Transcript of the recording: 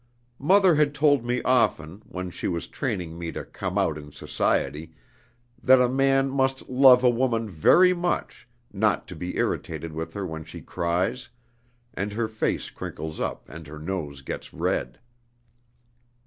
Mother had told me often, when she was training me to 'come out' in society, that a man must love a woman very much, not to be irritated with her when she cries, and her face crinkles up and her nose gets red.